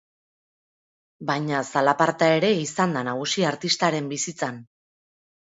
Baina zalaparta ere izan da nagusi artistaren bizitzan.